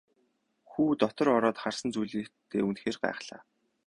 Хүү дотор ороод харсан зүйлдээ үнэхээр гайхлаа.